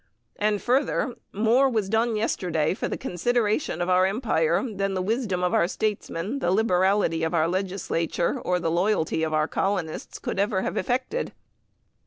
And further, "more was done yesterday for the consideration of our empire than the wisdom of our statesmen, the liberality of our legislature, or the loyalty of our colonists could ever have effected."